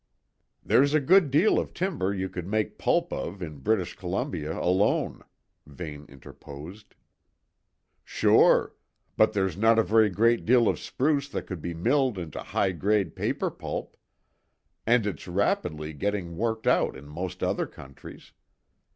"There's a good deal of timber you could make pulp of in British Columbia alone," Vane interposed. "Sure. But there's not a very great deal of spruce that could be milled into high grade paper pulp; and it's rapidly getting worked out in most other countries.